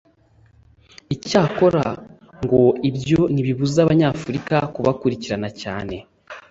Icyakora ngo ibyo ntibibuza Abanyafurika kubakurikirana cyane